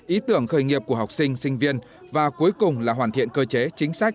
ý tưởng khởi nghiệp của học sinh sinh viên và cuối cùng là hoàn thiện cơ chế chính sách